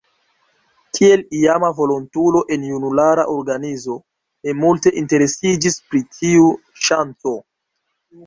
Kiel iama volontulo en junulara organizo, mi multe interesiĝis pri tiu ŝanco.